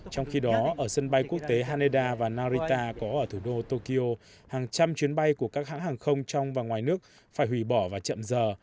trong khi đó ở sân bay quốc tế haneda và narita có ở thủ đô tokyo hàng trăm chuyến bay của các hãng hàng không trong và ngoài nước phải hủy bỏ và chậm giờ